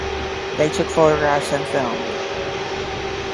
They took photographs and film.